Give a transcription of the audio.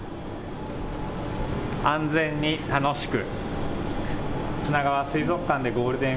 安全に楽しく。